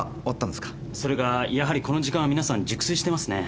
それがやはりこの時間は皆さん熟睡してますね。